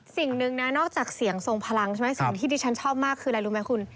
สิ่งนึงนอกจากเสียงส่งพลังที่ฉันชอบมากคืออะไรรู้ไหมคุณ